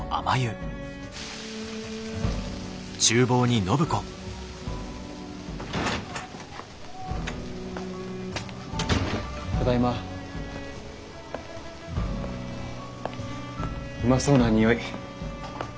うまそうな匂い。